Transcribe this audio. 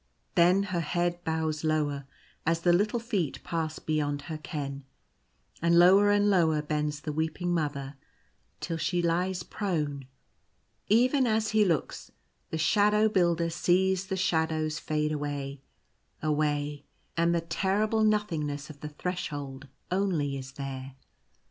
Then her head bows lower as the little feet pass beyond her ken ; and lower and lower bends the weeping Mother till she lies prone. Even as he looks, the Shadow Builder sees the shadows fade away, away, and the terrible nothing ness of the Threshold only is there.